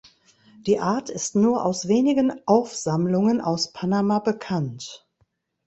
Die Art ist nur aus wenigen Aufsammlungen aus Panama bekannt.